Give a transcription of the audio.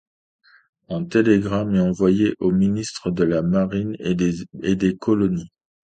Un télégramme est envoyé au ministre de la marine et des colonies.